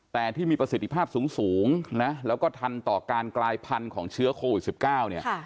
แต่ที่มีประสิทธิภาพสูงนะแล้วก็ทันต่อการกลายพันธุ์ของเชื้อโควิด๑๙เนี่ย